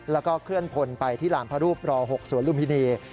แล้วก็เคลื่อนพลไปที่ลานพระรูปร๖สวนลุมพินี